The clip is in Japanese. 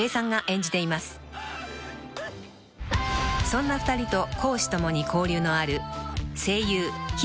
［そんな２人と公私ともに交流のある］